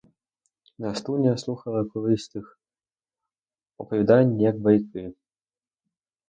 Настуня слухала колись тих оповідань, як байки.